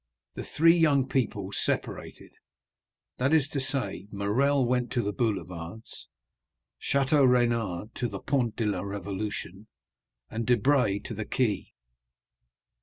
the three young people separated—that is to say, Morrel went to the Boulevards, Château Renaud to the Pont de la Révolution, and Debray to the Quai.